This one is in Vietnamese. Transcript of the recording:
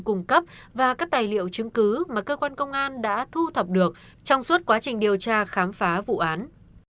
cung cấp và các tài liệu chứng cứ mà cơ quan công an đã thu thập được trong suốt quá trình điều tra khám phá vụ án